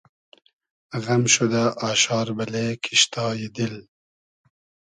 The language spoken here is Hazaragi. غئم شودۂ آشار بئلې کیشتای دیل